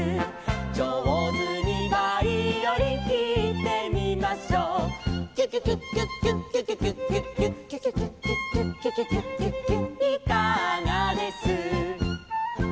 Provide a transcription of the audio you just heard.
「じょうずにバイオリンひいてみましょう」「キュキュキュッキュッキュッキュキュキュッキュッキュッ」「キュキュキュッキュッキュッキュキュキュッキュッキュッ」「いかがです」